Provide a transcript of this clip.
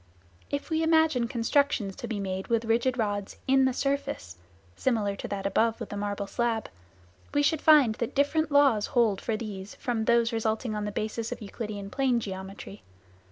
If we imagine constructions to be made with rigid rods in the surface (similar to that above with the marble slab), we should find that different laws hold for these from those resulting on the basis of Euclidean plane geometry.